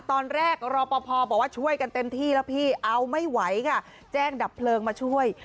รอปภบอกว่าช่วยกันเต็มที่แล้วพี่เอาไม่ไหวค่ะแจ้งดับเพลิงมาช่วย